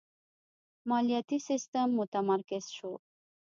مالیاتی سیستم متمرکز شو.